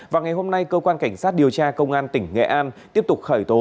vào ngày hôm nay cơ quan cảnh sát điều tra công an tỉnh nghệ an tiếp tục khởi tố